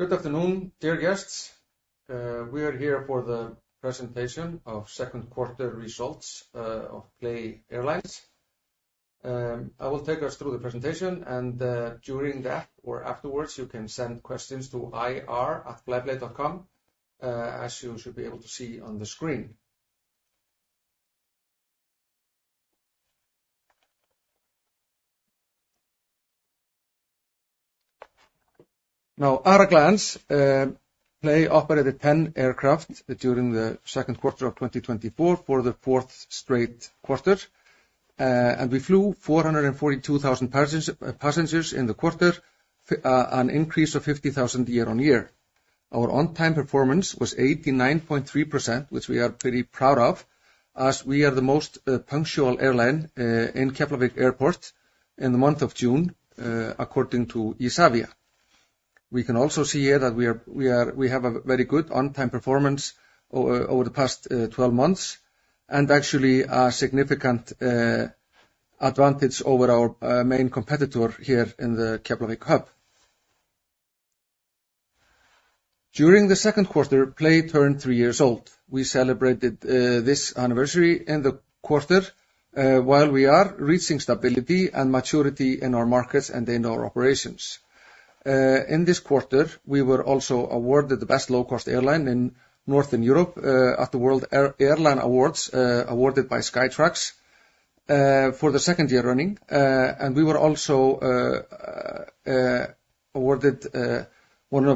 Good afternoon, dear guests. We are here for the presentation of second quarter results of Play Airlines. I will take us through the presentation, and during that or afterwards, you can send questions to ir@flyplay.com, as you should be able to see on the screen. Now, at a glance, Play operated 10 aircraft during the second quarter of 2024 for the fourth straight quarter. We flew 442,000 passengers in the quarter, an increase of 50,000 year-on-year. Our on-time performance was 89.3%, which we are pretty proud of, as we are the most punctual airline in Keflavík Airport in the month of June, according to Isavia. We can also see here that we have a very good on-time performance over the past 12 months, and actually a significant advantage over our main competitor here in the Keflavík hub. During the second quarter, PLAY turned 3 years old. We celebrated this anniversary in the quarter while we are reaching stability and maturity in our markets and in our operations. In this quarter, we were also awarded the Best Low Cost Airline in Northern Europe at the World Airline Awards, awarded by Skytrax, for the second year running. And we were also awarded as one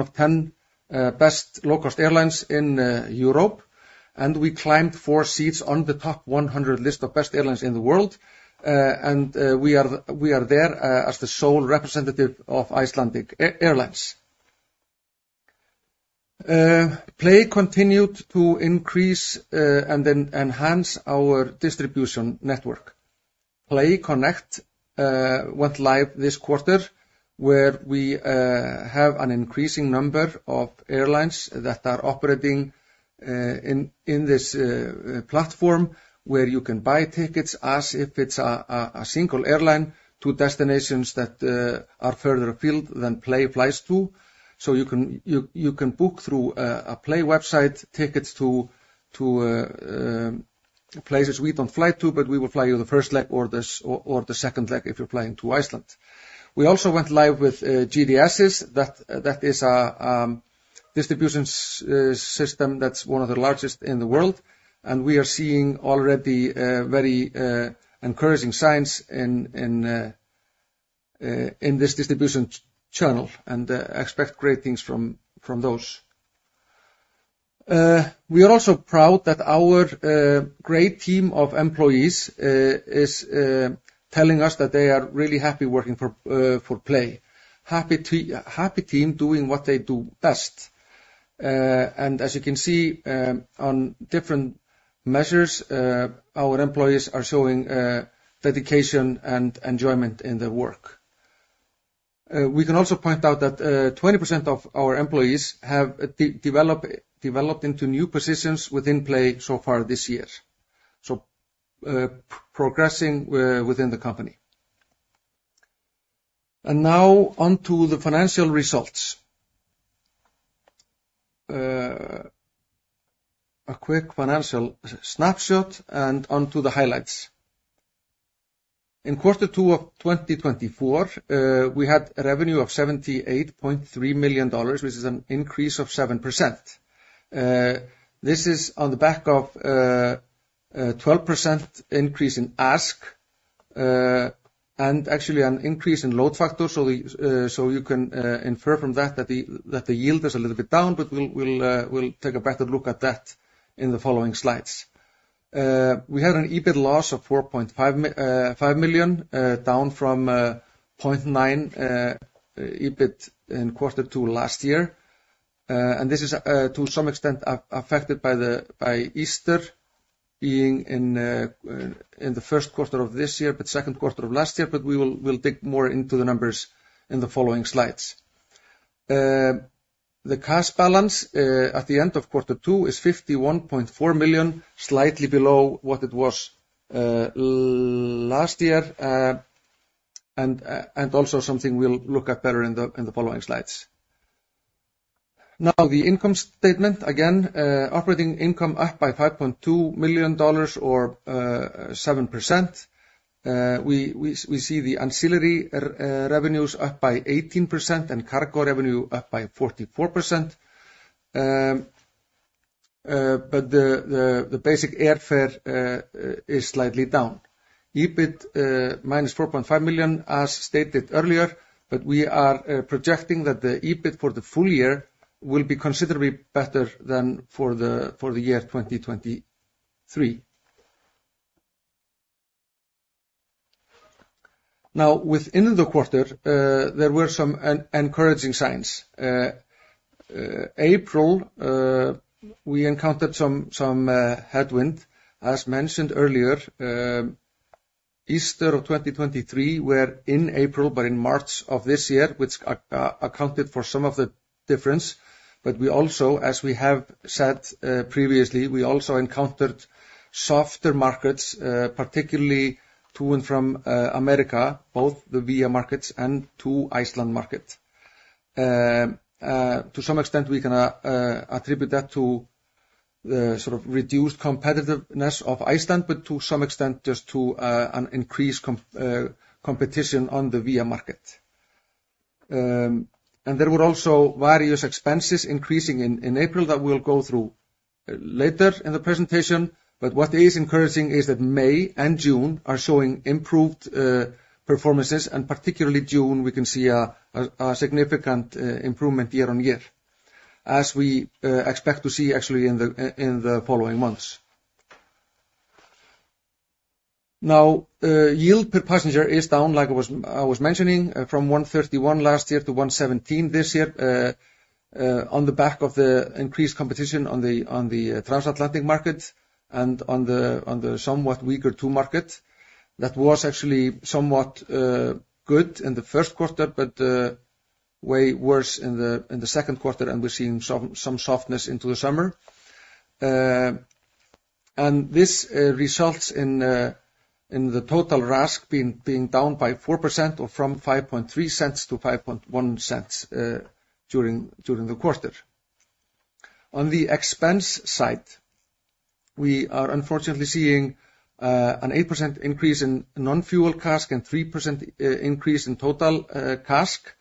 of 10 best low-cost airlines in Europe, and we climbed 4 seats on the top 100 list of best airlines in the world. and we are there as the sole representative of Icelandic Airlines. PLAY continued to increase and then enhance our distribution network. PLAY Connect went live this quarter, where we have an increasing number of airlines that are operating in this platform, where you can buy tickets as if it's a single airline to destinations that are further afield than PLAY flies to. So you can book through a PLAY website tickets to places we don't fly to, but we will fly you the first leg or the second leg if you're flying to Iceland. We also went live with GDSes. That is our distribution system that's one of the largest in the world, and we are seeing already very encouraging signs in this distribution channel, and expect great things from those. We are also proud that our great team of employees is telling us that they are really happy working for PLAY. Happy team doing what they do best. And as you can see, on different measures, our employees are showing dedication and enjoyment in their work. We can also point out that 20% of our employees have developed into new positions within PLAY so far this year. So, progressing within the company. And now onto the financial results. A quick financial snapshot and onto the highlights. In quarter two of 2024, we had a revenue of $78.3 million, which is an increase of 7%. This is on the back of a 12% increase in ASK and actually an increase in load factor. So you can infer from that that the yield is a little bit down, but we'll take a better look at that in the following slides. We had an EBIT loss of $5 million, down from $0.9 million EBIT in quarter two last year. And this is to some extent affected by Easter being in the first quarter of this year, but second quarter of last year, but we will dig more into the numbers in the following slides. The cash balance at the end of quarter two is $51.4 million, slightly below what it was last year, and also something we'll look at better in the following slides. Now, the income statement. Again, operating income up by $5.2 million or 7%. We see the ancillary revenues up by 18% and cargo revenue up by 44%. But the basic airfare is slightly down. EBIT -$4.5 million, as stated earlier, but we are projecting that the EBIT for the full year will be considerably better than for the year 2023. Now, within the quarter, there were some encouraging signs. April, we encountered some headwind. As mentioned earlier, Easter of 2023 were in April, but in March of this year, which accounted for some of the difference. But we also, as we have said previously, we also encountered softer markets, particularly to and from America, both the Via markets and to Iceland market. To some extent, we can attribute that to the sort of reduced competitiveness of Iceland, but to some extent, just to an increased competition on the Via market. And there were also various expenses increasing in April that we'll go through later in the presentation. But what is encouraging is that May and June are showing improved performances, and particularly June, we can see a significant improvement year-over-year, as we expect to see actually in the following months. Now, yield per passenger is down, like I was mentioning, from $131 last year to $117 this year, on the back of the increased competition on the transatlantic market and on the somewhat weaker to market. That was actually somewhat good in the first quarter, but way worse in the second quarter, and we're seeing some softness into the summer. And this results in the total RASK being down by 4% or from $0.053 to $0.051 during the quarter. On the expense side, we are unfortunately seeing an 8% increase in non-fuel CASK and 3% increase in total CASK.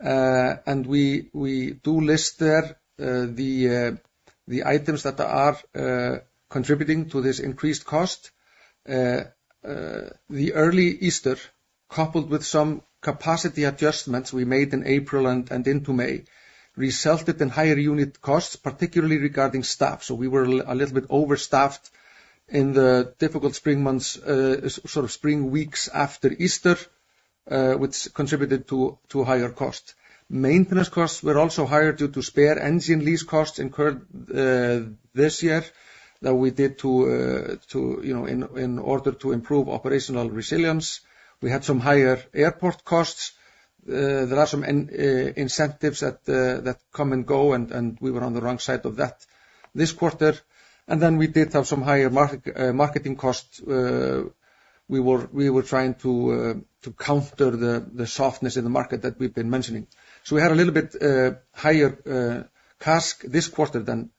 And we do list there the items that are contributing to this increased cost. The early Easter, coupled with some capacity adjustments we made in April and into May, resulted in higher unit costs, particularly regarding staff. So we were a little bit overstaffed in the difficult spring months, sort of spring weeks after Easter, which contributed to higher cost. Maintenance costs were also higher due to spare engine lease costs incurred this year than we did to you know in order to improve operational resilience. We had some higher airport costs. There are some incentives that come and go, and we were on the wrong side of that this quarter. And then we did have some higher marketing costs. We were trying to counter the softness in the market that we've been mentioning. So we had a little bit higher CASK this quarter than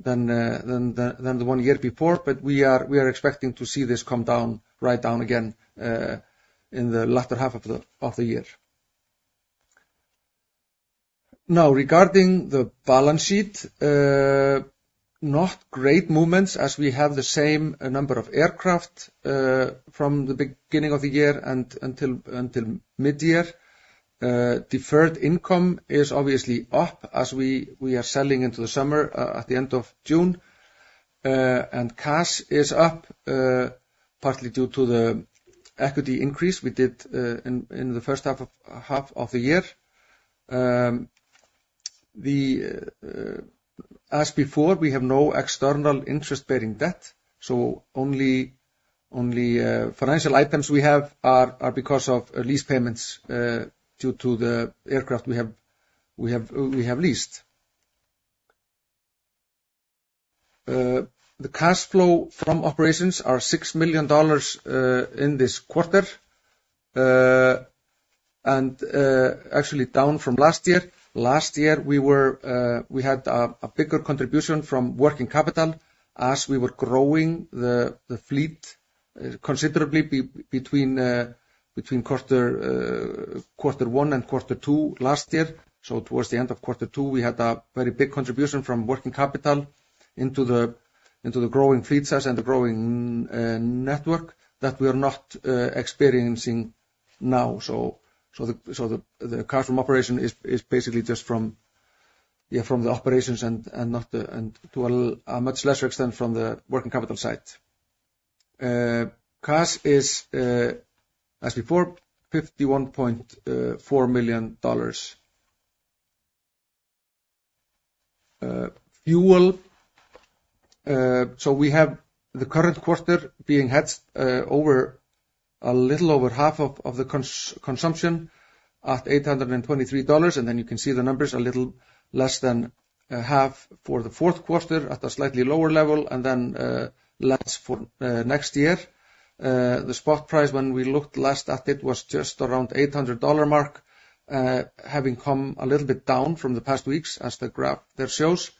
the one year before, but we are expecting to see this come down right down again in the latter half of the year. Now, regarding the balance sheet, not great movements as we have the same number of aircraft from the beginning of the year and until mid-year. Deferred income is obviously up as we are selling into the summer at the end of June. And cash is up, partly due to the equity increase we did in the first half of the year. As before, we have no external interest-bearing debt, so only financial items we have are because of lease payments due to the aircraft we have leased. The cash flow from operations are $6 million in this quarter, and actually down from last year. Last year, we were, we had a bigger contribution from working capital as we were growing the fleet considerably between quarter one and quarter two last year. So towards the end of quarter two, we had a very big contribution from working capital into the growing fleet size and the growing network that we are not experiencing now. So the cash from operation is basically just from, yeah, from the operations and not to a much lesser extent from the working capital side. Cash is as before, $51.4 million. Fuel. So we have the current quarter being hedged over a little over half of the consumption at $823. Then you can see the numbers a little less than half for the fourth quarter at a slightly lower level, and then less for next year. The spot price, when we looked last at it, was just around $800 mark, having come a little bit down from the past weeks as the graph there shows.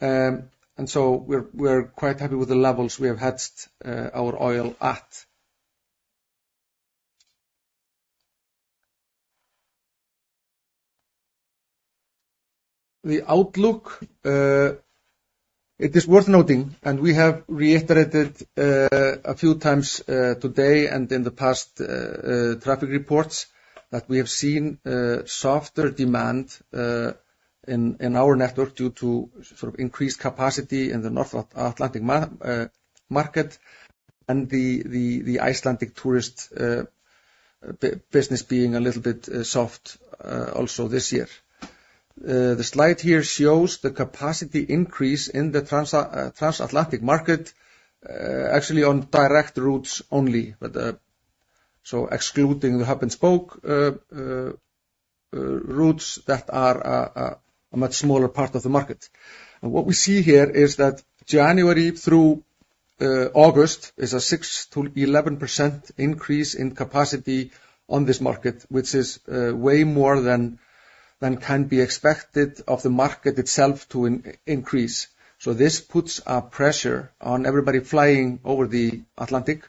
And so we're quite happy with the levels we have hedged our oil at. The outlook, it is worth noting, and we have reiterated a few times today and in the past traffic reports, that we have seen softer demand in our network due to sort of increased capacity in the North Atlantic market and the Icelandic tourist business being a little bit soft also this year. The slide here shows the capacity increase in the transatlantic market, actually on direct routes only. So excluding the hub and spoke routes that are a much smaller part of the market. And what we see here is that January through August is a 6%-11% increase in capacity on this market, which is way more than can be expected of the market itself to increase. So this puts a pressure on everybody flying over the Atlantic.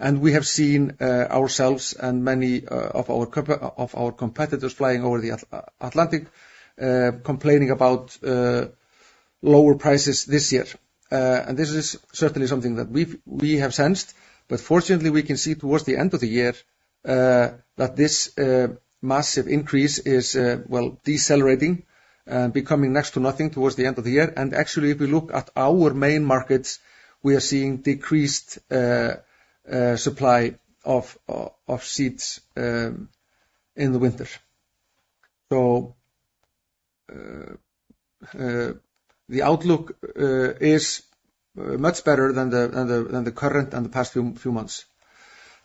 And we have seen ourselves and many of our competitors flying over the Atlantic complaining about lower prices this year. And this is certainly something that we've sensed, but fortunately, we can see towards the end of the year that this massive increase is well, decelerating, becoming next to nothing towards the end of the year. Actually, if we look at our main markets, we are seeing decreased supply of seats in the winter. So the outlook is much better than the current and the past few months.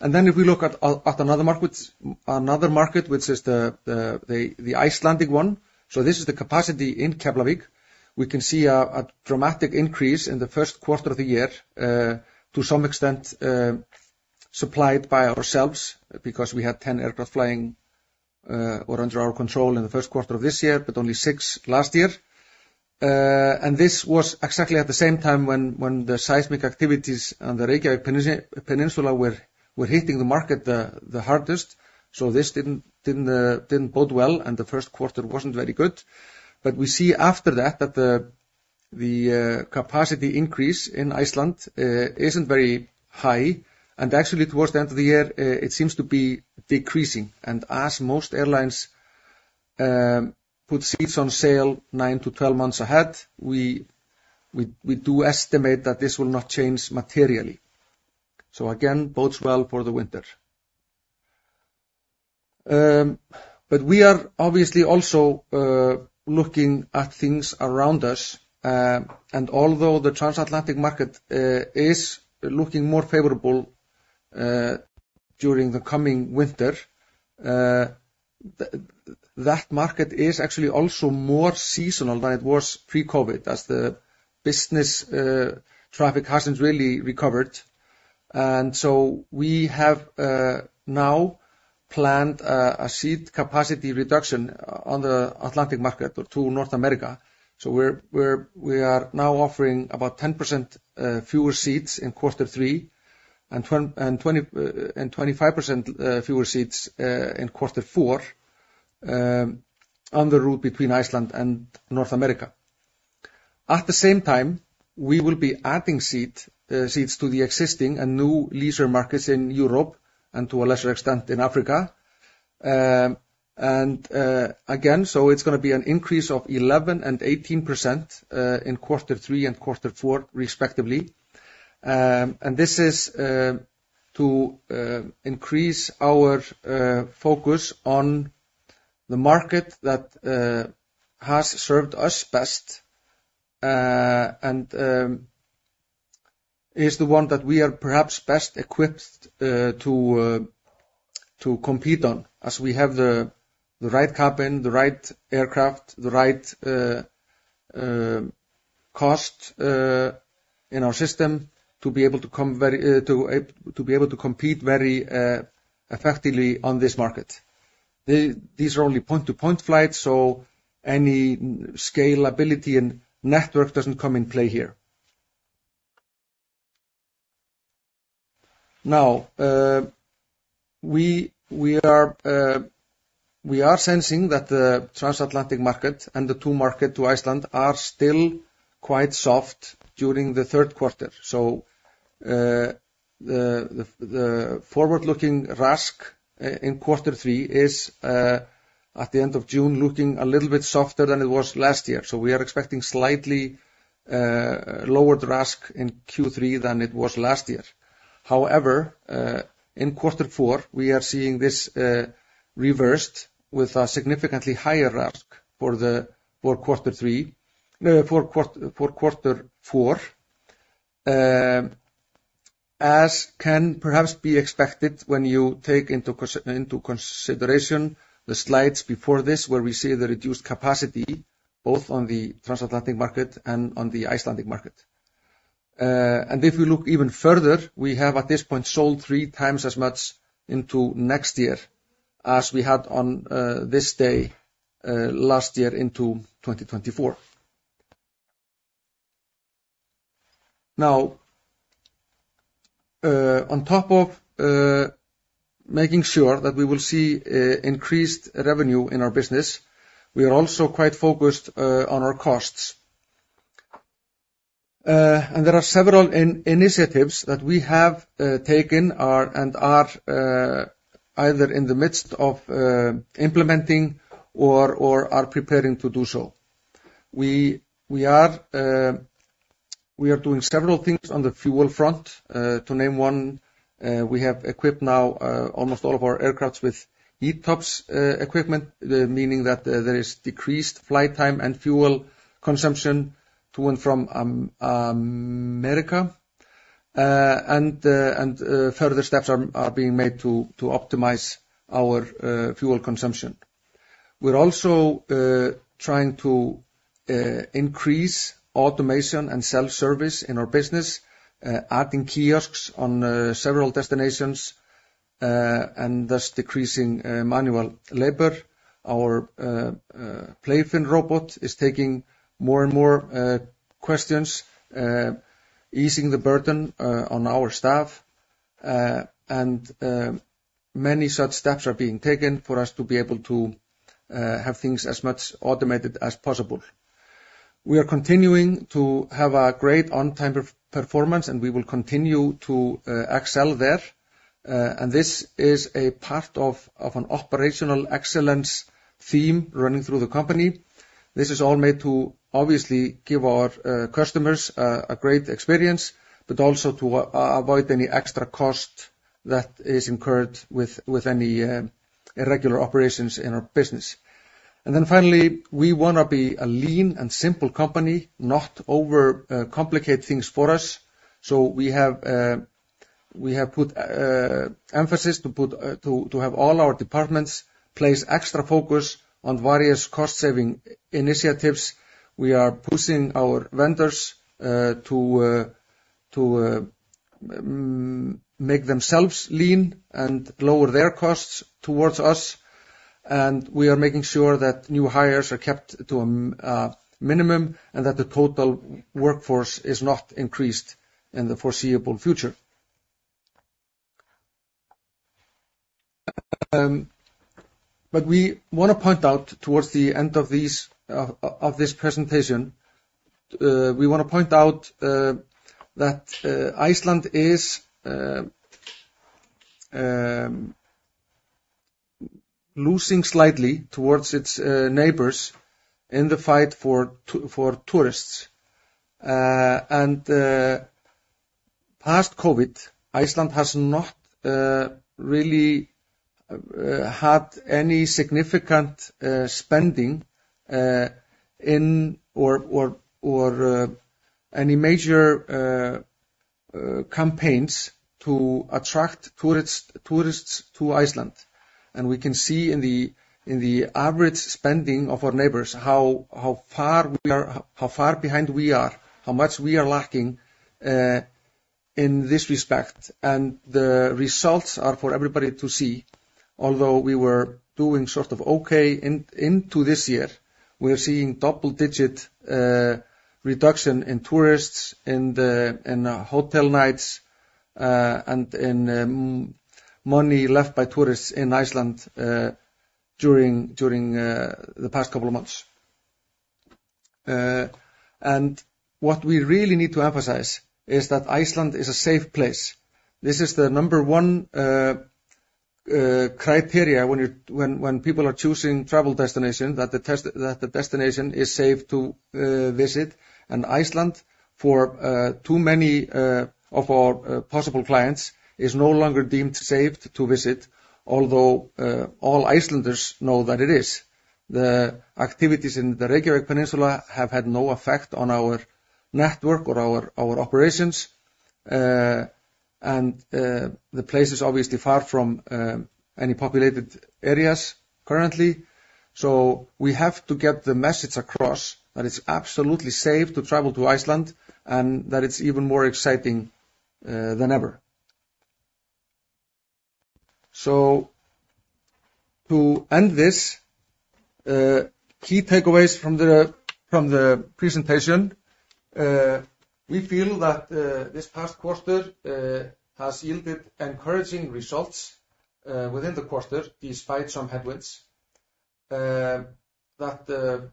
Then if we look at another market, which is the Icelandic one. So this is the capacity in Keflavík. We can see a dramatic increase in the first quarter of the year, to some extent, supplied by ourselves, because we had 10 aircraft flying, or under our control in the first quarter of this year, but only 6 last year. And this was exactly at the same time when the seismic activities on the Reykjanes Peninsula were hitting the market the hardest. So this didn't bode well, and the first quarter wasn't very good. But we see after that, that the capacity increase in Iceland isn't very high, and actually, towards the end of the year, it seems to be decreasing. And as most airlines put seats on sale 9-12 months ahead, we do estimate that this will not change materially. So again, bodes well for the winter. But we are obviously also looking at things around us, and although the transatlantic market is looking more favorable during the coming winter, that market is actually also more seasonal than it was pre-COVID as the business traffic hasn't really recovered. And so we have now planned a seat capacity reduction on the Atlantic market to North America. So we are now offering about 10% fewer seats in quarter three, and twenty-five percent fewer seats in quarter four, on the route between Iceland and North America. At the same time, we will be adding seats to the existing and new leisure markets in Europe and to a lesser extent, in Africa. Again, so it's gonna be an increase of 11% and 18% in quarter three and quarter four, respectively. This is to increase our focus on the market that has served us best, and is the one that we are perhaps best equipped to compete on, as we have the right cabin, the right aircraft, the right cost in our system, to be able to compete very effectively on this market. These are only point-to-point flights, so any scalability and network doesn't come in play here. Now, we are sensing that the transatlantic market and the to market to Iceland are still quite soft during the third quarter. So, the forward-looking RASK in quarter three is, at the end of June, looking a little bit softer than it was last year. So we are expecting slightly lower RASK in Q3 than it was last year. However, in quarter four, we are seeing this reversed with a significantly higher RASK for quarter four. As can perhaps be expected when you take into consideration the slides before this, where we see the reduced capacity, both on the transatlantic market and on the Icelandic market. And if you look even further, we have, at this point, sold 3 times as much into next year as we had on this day last year into 2024. Now, on top of making sure that we will see increased revenue in our business, we are also quite focused on our costs. There are several initiatives that we have taken and are either in the midst of implementing or are preparing to do so. We are doing several things on the fuel front. To name one, we have equipped now almost all of our aircraft with ETOPS equipment, meaning that there is decreased flight time and fuel consumption to and from America. Further steps are being made to optimize our fuel consumption. We're also trying to increase automation and self-service in our business, adding kiosks on several destinations, and thus decreasing manual labor. Our PlayFin robot is taking more and more questions, easing the burden on our staff. And many such steps are being taken for us to be able to have things as much automated as possible. We are continuing to have a great on-time performance, and we will continue to excel there. And this is a part of an operational excellence theme running through the company. This is all made to obviously give our customers a great experience, but also to avoid any extra cost that is incurred with any irregular operations in our business. And then finally, we wanna be a lean and simple company, not over complicate things for us. So we have put emphasis to have all our departments place extra focus on various cost-saving initiatives. We are pushing our vendors to make themselves lean and lower their costs towards us. And we are making sure that new hires are kept to a minimum, and that the total workforce is not increased in the foreseeable future. But we want to point out towards the end of this presentation that Iceland is losing slightly towards its neighbors in the fight for tourists. And past COVID, Iceland has not really had any significant spending, or any major campaigns to attract tourists to Iceland. We can see in the average spending of our neighbors, how far we are, how far behind we are, how much we are lacking in this respect. The results are for everybody to see. Although we were doing sort of okay into this year, we are seeing double-digit reduction in tourists, in the hotel nights, and in money left by tourists in Iceland during the past couple of months. What we really need to emphasize is that Iceland is a safe place. This is the number one criteria when people are choosing travel destination, that the destination is safe to visit. Iceland, for too many of our possible clients, is no longer deemed safe to visit, although all Icelanders know that it is. The activities in the Reykjanes Peninsula have had no effect on our network or our operations. The place is obviously far from any populated areas currently. So we have to get the message across that it's absolutely safe to travel to Iceland, and that it's even more exciting than ever. So to end this, key takeaways from the presentation. We feel that this past quarter has yielded encouraging results within the quarter, despite some headwinds. That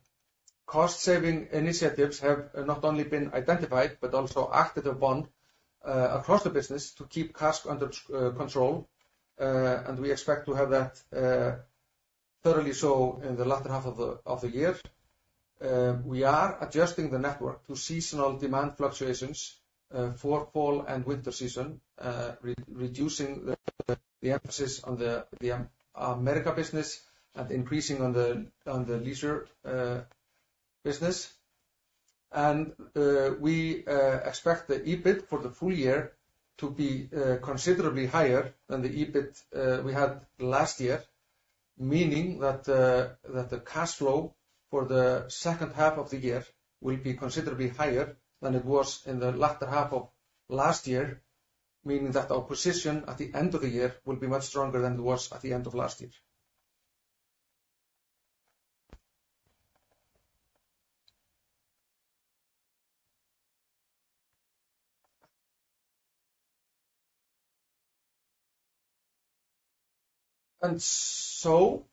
cost saving initiatives have not only been identified, but also acted upon across the business to keep costs under control. We expect to have that thoroughly so in the latter half of the year. We are adjusting the network to seasonal demand fluctuations for fall and winter season, re-reducing the America business and increasing on the leisure business. We expect the EBIT for the full year to be considerably higher than the EBIT we had last year. Meaning that the cash flow for the second half of the year will be considerably higher than it was in the latter half of last year, meaning that our position at the end of the year will be much stronger than it was at the end of last year. And so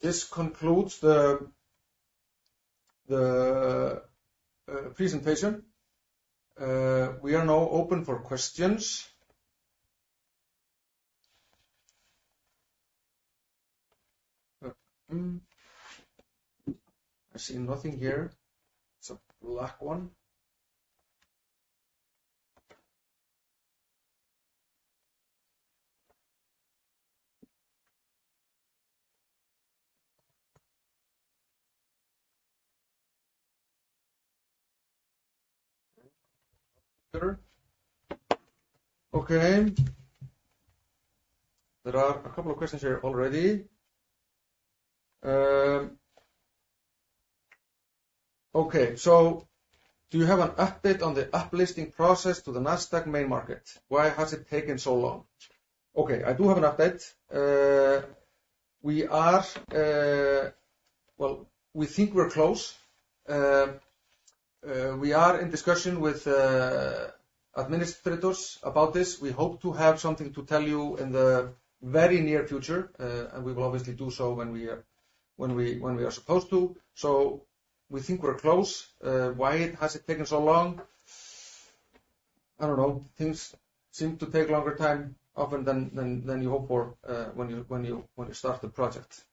this concludes the presentation. We are now open for questions. I see nothing here. It's a black one?... Okay. There are a couple of questions here already. Okay, so do you have an update on the up-listing process to the Nasdaq main market? Why has it taken so long? Okay, I do have an update. Well, we think we're close. We are in discussion with administrators about this. We hope to have something to tell you in the very near future, and we will obviously do so when we are supposed to. So we think we're close. Why has it taken so long? I don't know. Things seem to take longer time often than you hope for, when you start the project.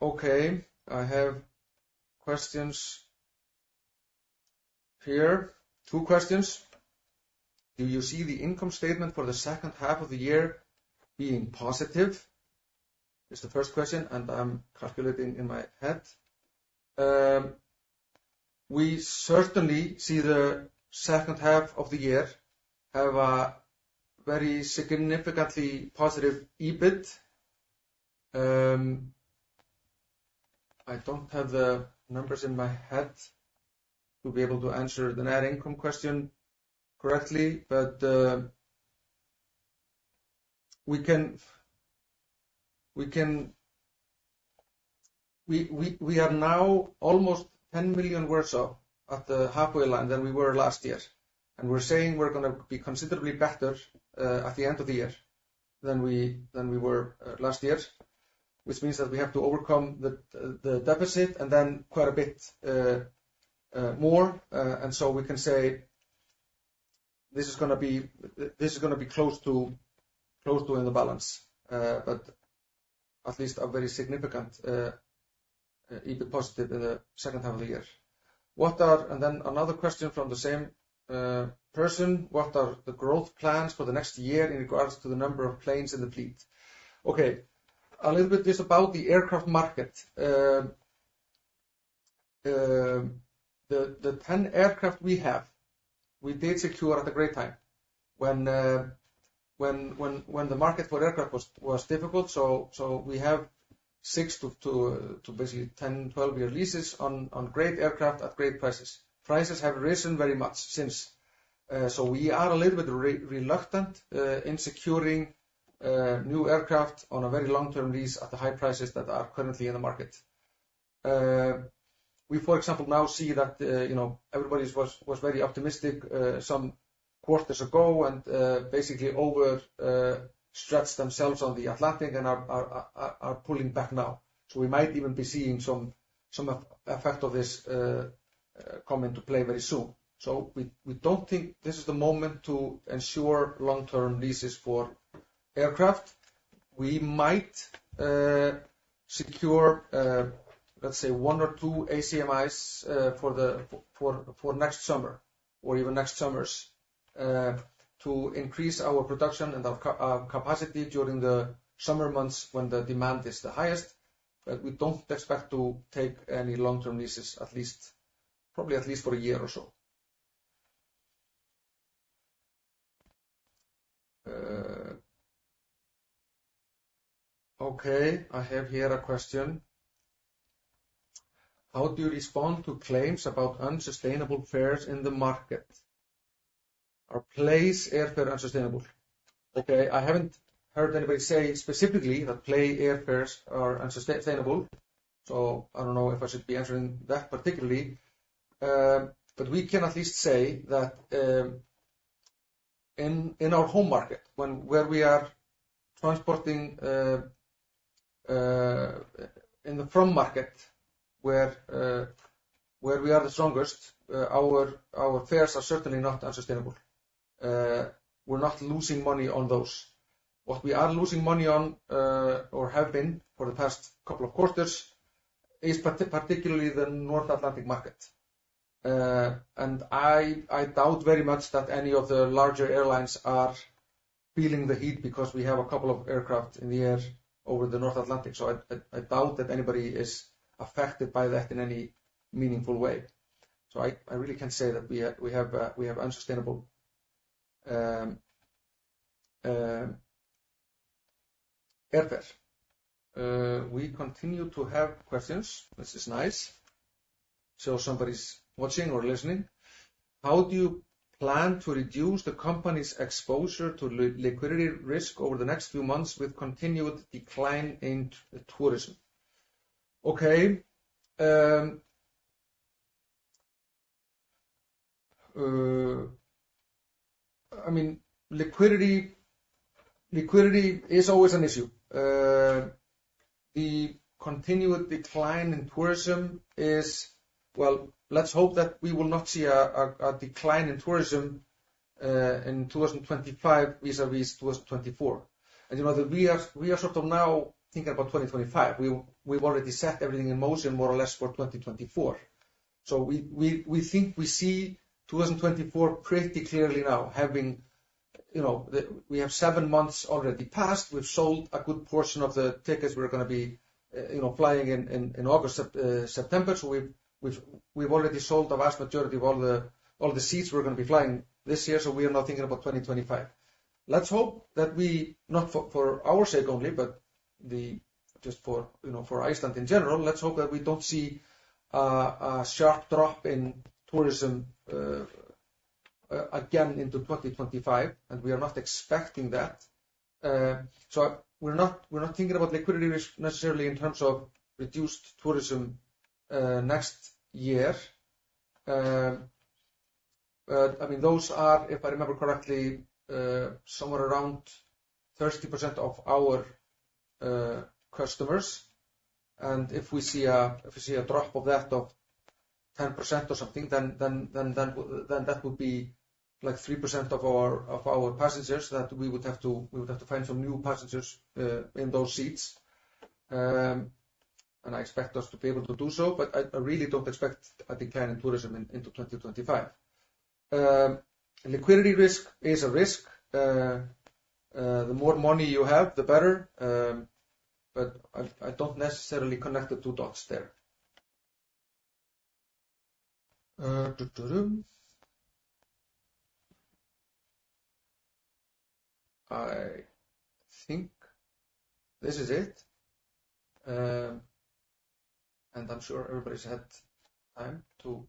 Okay, I have questions here. Two questions: Do you see the income statement for the second half of the year being positive? It's the first question, and I'm calculating in my head. We certainly see the second half of the year have a very significantly positive EBIT. I don't have the numbers in my head to be able to answer the net income question correctly, but we can. We are now almost 10 million worse off at the halfway line than we were last year, and we're saying we're gonna be considerably better at the end of the year than we were last year. Which means that we have to overcome the deficit and then quite a bit more. And so we can say, this is gonna be close to in the balance, but at least a very significant EBIT positive in the second half of the year. And then another question from the same person: What are the growth plans for the next year in regards to the number of planes in the fleet? Okay, a little bit about the aircraft market. The 10 aircraft we have, we did secure at a great time when the market for aircraft was difficult. So we have 6- to basically 10- to 12-year leases on great aircraft at great prices. Prices have risen very much since. So we are a little bit reluctant in securing new aircraft on a very long-term lease at the high prices that are currently in the market. We, for example, now see that, you know, everybody was very optimistic some quarters ago and basically overstretched themselves on the Atlantic and are pulling back now. So we might even be seeing some effect of this come into play very soon. So we don't think this is the moment to ensure long-term leases for aircraft. We might secure, let's say, one or two ACMIs, for next summer or even next summers, to increase our production and our capacity during the summer months when the demand is the highest, but we don't expect to take any long-term leases, at least, probably at least for a year or so. Okay, I have here a question: How do you respond to claims about unsustainable fares in the market? Are PLAY's airfare unsustainable? Okay, I haven't heard anybody say specifically that PLAY airfares are unsustainable, so I don't know if I should be answering that particularly. But we can at least say that, in our home market, where we are transporting in the front market, where we are the strongest, our fares are certainly not unsustainable. We're not losing money on those. What we are losing money on, or have been for the past couple of quarters, is particularly the North Atlantic market. And I doubt very much that any of the larger airlines are feeling the heat because we have a couple of aircraft in the air over the North Atlantic, so I doubt that anybody is affected by that in any meaningful way. So I really can't say that we have unsustainable airfare. We continue to have questions, which is nice. So somebody's watching or listening. How do you plan to reduce the company's exposure to liquidity risk over the next few months with continued decline in tourism? Okay, I mean, liquidity is always an issue. The continued decline in tourism is... Well, let's hope that we will not see a decline in tourism in 2025 vis-a-vis 2024. And you know that we are sort of now thinking about 2025. We, we've already set everything in motion, more or less, for 2024. So we think we see 2024 pretty clearly now, having you know the we have seven months already passed. We've sold a good portion of the tickets. We're going to be you know flying in August, September. So we've already sold the vast majority of all the seats we're going to be flying this year, so we are now thinking about 2025. Let's hope that we, not for, for our sake only, but the just for, you know, for Iceland in general, let's hope that we don't see a sharp drop in tourism again into 2025, and we are not expecting that. So we're not, we're not thinking about liquidity risk necessarily in terms of reduced tourism next year. But I mean, those are, if I remember correctly, somewhere around 30% of our customers. And if we see a drop of that of 10% or something, then that would be like 3% of our passengers that we would have to find some new passengers in those seats. And I expect us to be able to do so, but I, I really don't expect a decline in tourism into 2025. Liquidity risk is a risk. The more money you have, the better. But I, I don't necessarily connect the two dots there. I think this is it. And I'm sure everybody's had time to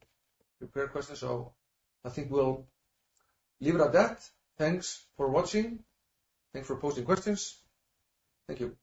prepare questions, so I think we'll leave it at that. Thanks for watching. Thanks for posting questions. Thank you.